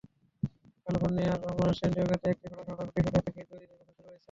ক্যালিফোর্নিয়ার স্যান ডিয়েগোতে একটি ফেডারেল আদালতে বৃহস্পতিবার থেকে জুরি নির্বাচন শুরু হয়েছে।